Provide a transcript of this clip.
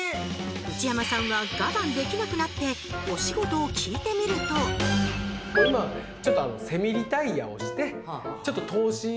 内山さんは我慢できなくなってお仕事を聞いてみるとうわっ！